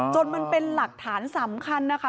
มันเป็นหลักฐานสำคัญนะคะ